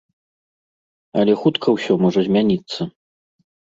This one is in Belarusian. Але хутка ўсё можа змяніцца.